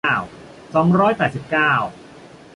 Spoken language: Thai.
สองร้อยแปดสิบเก้า